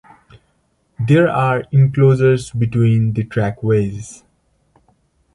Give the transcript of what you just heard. There are enclosures between the trackways.